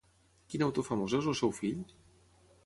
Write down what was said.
Quin autor famós és el seu fill?